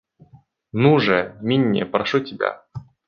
Ну же, Минни, прошу тебя.